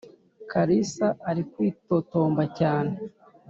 kalisa arikwitotomba cyane.